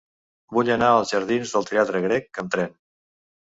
Vull anar als jardins del Teatre Grec amb tren.